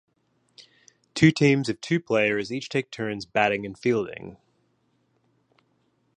Two teams of two players each take turns batting and fielding.